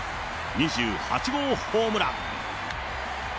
２８号ホームラン。